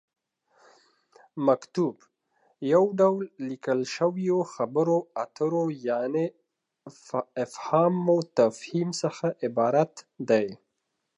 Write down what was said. مکتوب: یو ډول ليکل شويو خبرو اترو یعنې فهام وتفهيم څخه عبارت دی